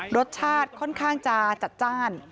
รสชาติค่อนข้างจะจัดจ้าน